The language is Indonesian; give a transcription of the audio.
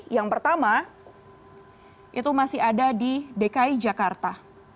yang pertama itu masih ada di dki jakarta